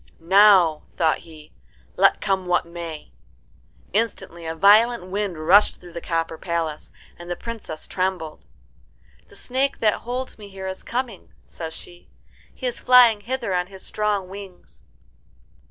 "Now," thought he, "let come what may." Instantly a violent wind rushed through the copper palace, and the Princess trembled. "The snake that holds me here is coming," says she. "He is flying hither on his strong wings."